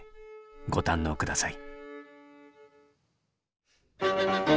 ご堪能下さい。